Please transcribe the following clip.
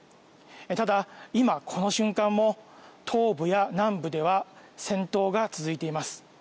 ただ、今、この瞬間も東部や南部では戦闘が続いています。